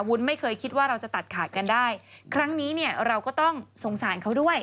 ไม่เคยคิดว่าเราจะตัดขาดกันได้ครั้งนี้เนี่ยเราก็ต้องสงสารเขาด้วย